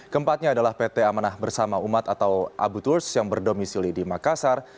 keempatnya adalah pt amanah bersama umat atau abu turs yang berdomisili di makassar